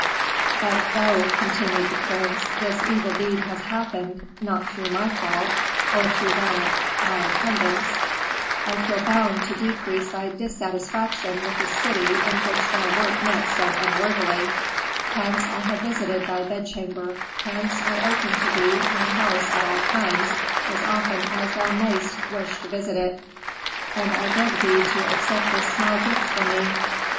"But though," continued the prince, "this evil deed has happened, not through my fault, or through that of my attendants, I feel bound to decrease thy dissatisfaction with a city in which thou wert met so unworthily; hence I have visited thy bedchamber; hence I open to thee my house at all times, as often as thou mayst wish to visit it, and I beg thee to accept this small gift from me."